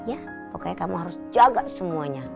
ya pokoknya kamu harus jaga semuanya